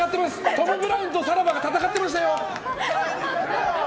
トム・ブラウンとさらばが戦ってましたよ。